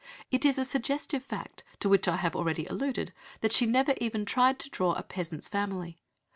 It is a suggestive fact, to which I have already alluded, that she never even tried to draw a peasant's family.